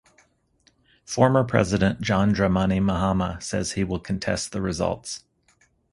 Former President John Dramani Mahama says he will contest the results.